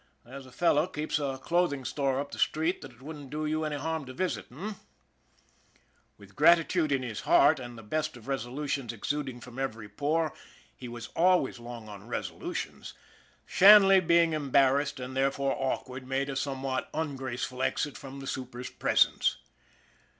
There's a fellow keeps a clothing store up the street that it wouldn't do you any harm to visit h'm ?" With gratitude in his heart and the best of resolu tions exuding from every pore he was always long on resolutions Shanley being embarrassed, and there fore awkward, made a somewhat ungraceful exit from the super's presence.